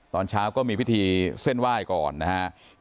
ตอนเช้าก็มีพิธีเส้นไหว้ก่อนนะครับ